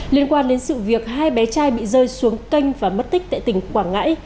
liên quan đến sự việc hai bé trai bị rơi xuống kênh và mất tích tại tỉnh quảng ngãi